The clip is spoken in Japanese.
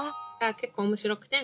結構面白くて。